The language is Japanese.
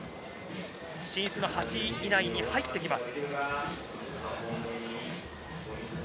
進出の８位内に入ってきます。